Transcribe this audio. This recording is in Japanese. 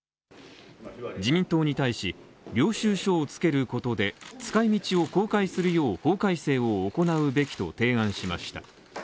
自民党に対し、領収書をつけることで、使い道を公開するよう法改正を行うべきと提案しました。